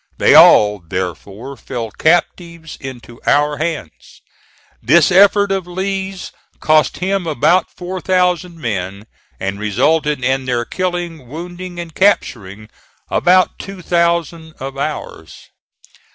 They all, therefore, fell captives into our hands. This effort of Lee's cost him about four thousand men, and resulted in their killing, wounding and capturing about two thousand of ours.